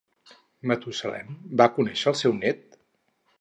Matusalem va conèixer el seu nét?